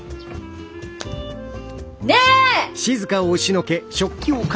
ねえ！